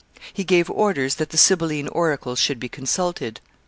He gave orders that the Sibylline Oracles should be consulted.